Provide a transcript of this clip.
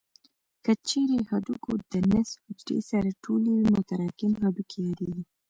که چیرې هډوکو د نسج حجرې سره ټولې وي متراکم هډوکي یادېږي.